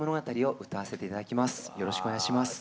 よろしくお願いします。